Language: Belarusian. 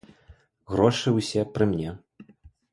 Грошы ўсе пры мне.